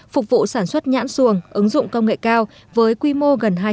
phục vụ sản xuất nhãn xuồng ứng dụng công nghệ cao với quy mô gần hai trăm linh hectare